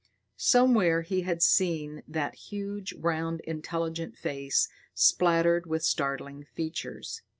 Somewhere he had seen that huge, round, intelligent face splattered with startling features.